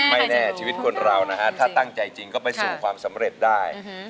ไม่แน่ที่เราถ้าตั้งใจจริงก็ไปสูงความสำเร็จได้